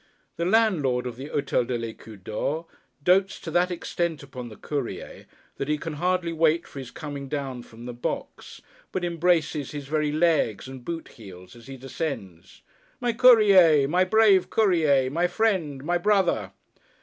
The landlord of the Hôtel de l'Ecu d'Or, dotes to that extent upon the Courier, that he can hardly wait for his coming down from the box, but embraces his very legs and boot heels as he descends. 'My Courier! My brave Courier! My friend! My brother!